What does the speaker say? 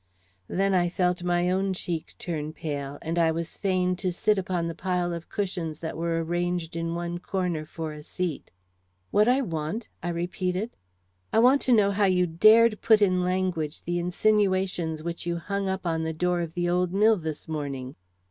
Then I felt my own cheek turn pale, and I was fain to sit upon the pile of cushions that were arranged in one corner for a seat. "What I want?" I repeated. "I want to know how you dared put in language the insinuations which you hung up on the door of the old mill this morning?"